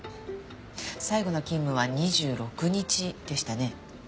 最後の勤務は２６日でしたね。